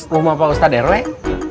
rumah pak ustadz rw